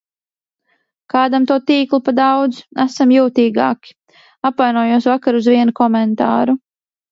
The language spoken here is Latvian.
Kādam to tīklu pa daudz. Esam jūtīgāki. Apvainojos vakar uz vienu komentāru.